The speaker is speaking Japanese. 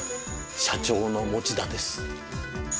社長の持田です。